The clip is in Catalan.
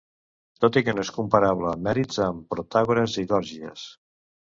Tot i que no és comparable en mèrits amb Protàgores i Gòrgies,